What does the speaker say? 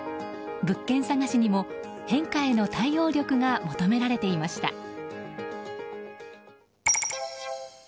物件探しにも変化への対応力が求められていました。